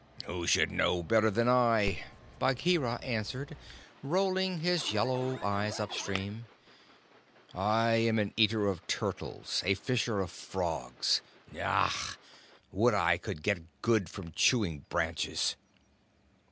"Who should know better than I?" Bagheera answered, rolling his yellow eyes up stream. "I am an eater of turtles a fisher of frogs. Ngaayah! Would I could get good from chewing branches!"